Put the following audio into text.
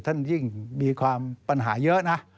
ยิ่งมีความปัญหาเยอะนะ